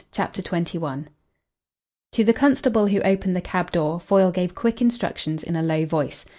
CHAPTER XXI To the constable who opened the cab door Foyle gave quick instructions in a low voice.